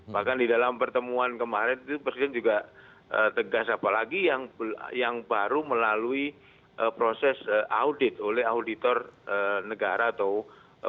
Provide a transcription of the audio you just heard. bahkan di dalam pertemuan kemarin itu presiden juga tegas apalagi yang baru melalui proses audit oleh auditor negara atau pemerintah